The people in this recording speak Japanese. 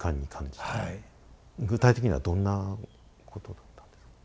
具体的にはどんなことだったんですか？